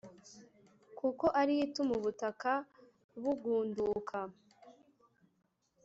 kuko ari yo ituma ubutaka bugunduka